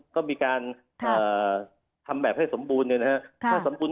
ก็มีการทำแบบให้สมบูรณ์